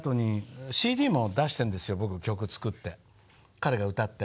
彼が歌って。